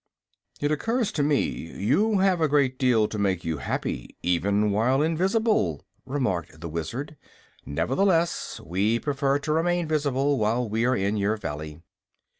"It occurs to me you have a great deal to make you happy, even while invisible," remarked the Wizard. "Nevertheless, we prefer to remain visible while we are in your valley."